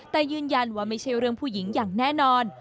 แต่ยืนยันว่าไม่ใช่เรื่องผู้หญิงอย่างแน่นอน